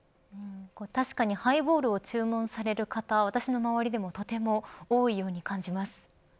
確かにハイボールを注文される方私の周りでもとても多いように感じます。